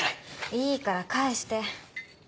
いいから返して。